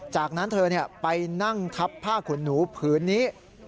จากนั้นเธอไปนั่งทับผ้าขุนหนูผืนนี้